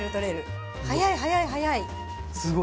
すごい。